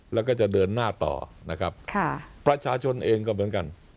แล้วก็จะเดินหน้าต่อนะครับค่ะประชาชนเองก็เหมือนกัน